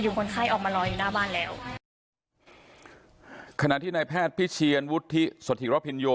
คนไข้ออกมารออยู่หน้าบ้านแล้วขณะที่นายแพทย์พิเชียนวุฒิสถิระพินโย